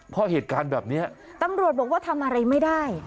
เพราะเหตุการณ์แบบนี้ตำรวจบอกว่าทำอะไรไม่ได้